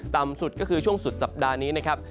ต่ำสุดก็คือช่วงสุดสัปดาห์นี้นะครับ